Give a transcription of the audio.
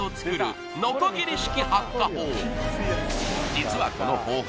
実はこの方法